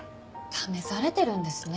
試されてるんですね